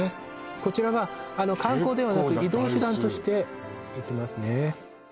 こちらは観光ではなく移動手段として行ってますね